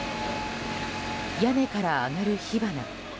屋根から上がる火花。